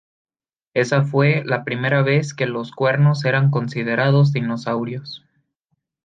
Esa fue la primera vez que los cuernos eran considerados dinosaurios.